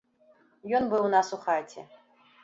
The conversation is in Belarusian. Ён быў у нас у хаце.